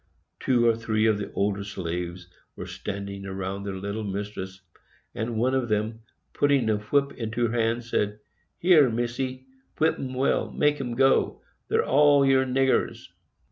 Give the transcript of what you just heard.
Two or three of the older slaves were standing around their little mistress, and one of them, putting a whip into her hand, said, "There, Misse, whip 'em well; make 'em go,—they're all your niggers."